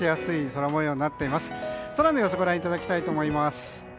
空の様子をご覧いただきたいと思います。